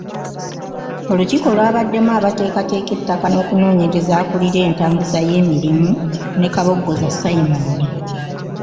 Olukiiko lwabaddemu abateekateeka ettaka n’okunoonyereza, akulira entambuza y’emirimu ne Kabogoza Simon.